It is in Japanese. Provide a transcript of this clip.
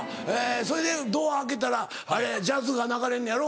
それでドア開けたらジャズが流れんのやろ？